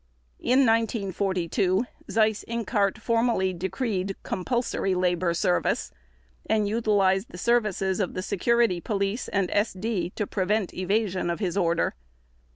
In 1942 Seyss Inquart formally decreed compulsory labor service, and utilized the services of the Security Police and SD to prevent evasion of his order.